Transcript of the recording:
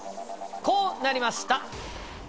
こうなりました！